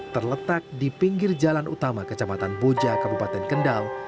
terletak di pinggir jalan utama kecamatan boja kabupaten kendal